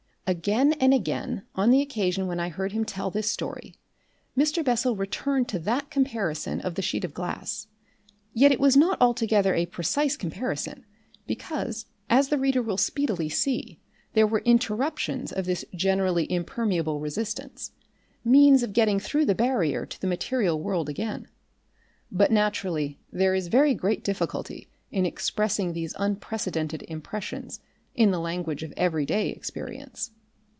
Again and again, on the occasion when I heard him tell this story, Mr. Bessel returned to that comparison of the sheet of glass. Yet it was not altogether a precise comparison, because, as the reader will speedily see, there were interruptions of this generally impermeable resistance, means of getting through the barrier to the material world again. But, naturally, there is a very great difficulty in expressing these unprecedented impressions in the language of everyday experience.